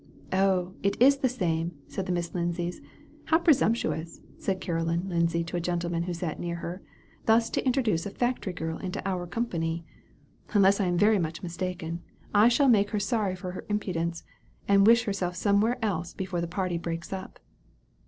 "Oh, it is the same," said the Miss Lindsays. "How presumptuous," said Caroline Lindsay to a gentleman who sat near her, "thus to intrude a factory girl into our company! Unless I am very much mistaken, I shall make her sorry for her impudence, and wish herself somewhere else before the party breaks up."